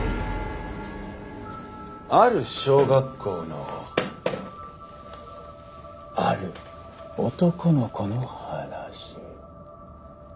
ある小学校のある男の子の話。